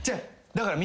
だから。